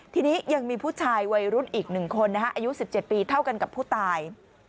ทีนี้ยังมีผู้ชายวัยรุ่นอีก๑คนอายุ๑๗ปีเท่ากันกับผู้ตาย